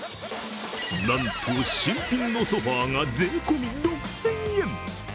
なんと新品のソファーが税込み６０００円。